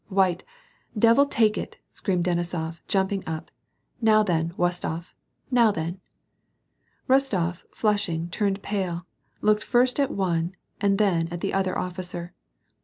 "Wight! Devil take it!" screamed Denisof, jumping up, '* Now then, W'ostof , now then !" Bostof, flushing and turning pale, looked first at one and then at the other officer.